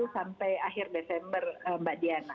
sampai akhir desember mbak diana